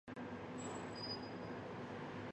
藜芦为百合科藜芦属下的一个种。